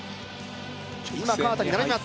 今川田に並びます